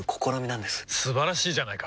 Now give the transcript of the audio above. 素晴らしいじゃないか！